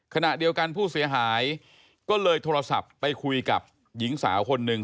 ขณะเดียวกันผู้เสียหายก็เลยโทรศัพท์ไปคุยกับหญิงสาวคนหนึ่ง